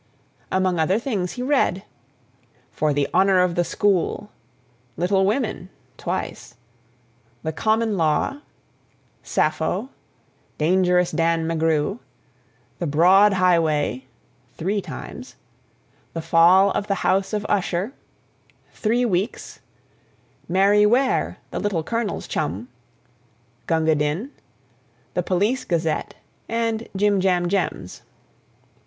Among other things he read: "For the Honor of the School," "Little Women" (twice), "The Common Law," "Sapho," "Dangerous Dan McGrew," "The Broad Highway" (three times), "The Fall of the House of Usher," "Three Weeks," "Mary Ware, the Little Colonel's Chum," "Gunga Din," The Police Gazette, and Jim Jam Jems.